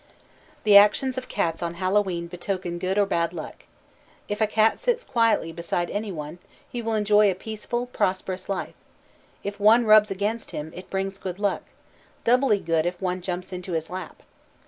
The actions of cats on Hallowe'en betoken good or bad luck. If a cat sits quietly beside any one, he will enjoy a peaceful, prosperous life; if one rubs against him, it brings good luck, doubly good if one jumps into his lap.